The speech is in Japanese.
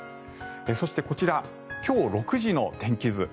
そして、こちら今日６時の天気図。